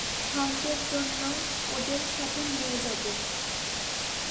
সঙ্গের জন্য ওদের সাথে নিয়ে যাবো?